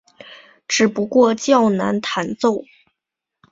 只不过较难弹奏。